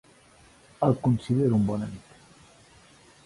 El considero un bon amic.